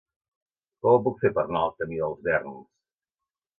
Com ho puc fer per anar al camí dels Verns?